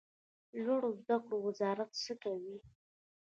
لوړو زده کړو وزارت څه کوي؟